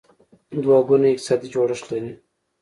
دوه ګونی اقتصادي جوړښت لري.